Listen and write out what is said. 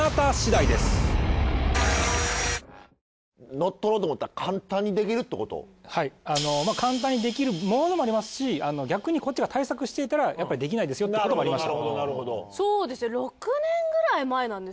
乗っ取ろうと思ったらはい簡単にできるものもありますし逆にこっちが対策していたらやっぱりできないですよってこともありました。